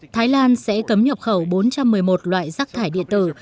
thái lan sẽ cấm nhập khẩu bốn trăm một mươi một loại rác thải điện tử